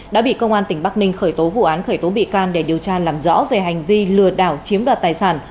đã bị công an tỉnh bắc ninh khởi tố vụ án khởi tố bị can để điều tra làm rõ về hành vi lừa đảo chiếm đoạt tài sản